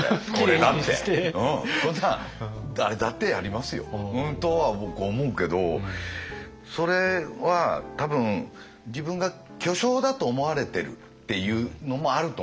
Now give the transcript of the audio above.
俺だってそんなん誰だってやりますよ。とは僕思うけどそれは多分自分が巨匠だと思われてるっていうのもあると思うんですよ。